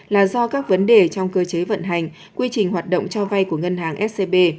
là do các vấn đề trong cơ chế vận hành quy trình hoạt động cho vay của ngân hàng scb